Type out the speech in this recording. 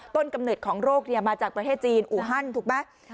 กำเนิดของโรคมาจากประเทศจีนอูฮันถูกไหม